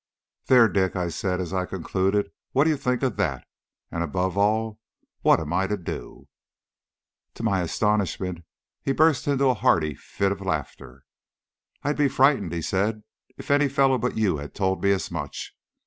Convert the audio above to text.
"There, Dick," I said, as I concluded, "what do you think of that? and, above all, what am I to do?" To my astonishment he burst into a hearty fit of laughter. "I'd be frightened," he said, "if any fellow but you had told me as much.